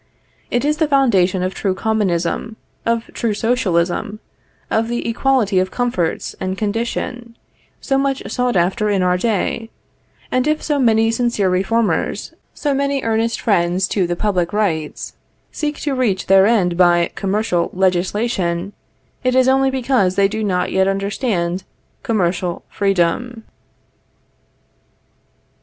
It is the foundation of true Commonism, of true Socialism, of the equality of comforts and condition, so much sought after in our day; and if so many sincere reformers, so many earnest friends to the public rights, seek to reach their end by commercial legislation, it is only because they do not yet understand commercial freedom.